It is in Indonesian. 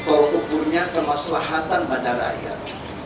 masalahnya adalah tol ukurnya kemaslahatan pada rakyat